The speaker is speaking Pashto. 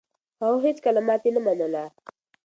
هغه هيڅکله ماتې نه منله.